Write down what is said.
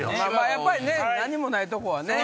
やっぱりね何もないとこはね。